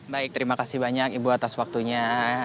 baik terima kasih banyak ibu atas waktunya